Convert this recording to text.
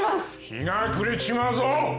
日が暮れちまうぞー。